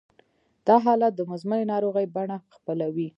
دا حالت د مزمنې ناروغۍ بڼه خپلوي